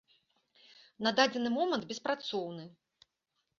На дадзены момант беспрацоўны.